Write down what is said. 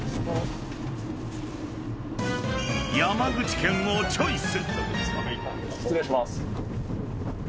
［山口県をチョイス］